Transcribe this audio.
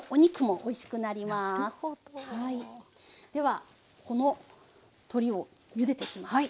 ではこの鶏をゆでていきます。